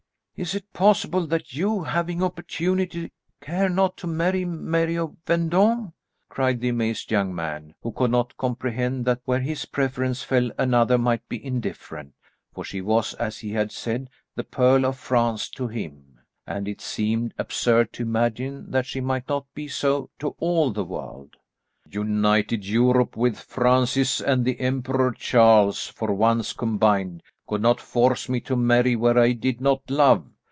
"Is it possible that you, having opportunity, care not to marry Mary of Vendôme?" cried the amazed young man, who could not comprehend that where his preference fell another might be indifferent; for she was, as he had said, the Pearl of France to him, and it seemed absurd to imagine that she might not be so to all the world. "United Europe, with Francis and the Emperor Charles for once combined could not force me to marry where I did not love.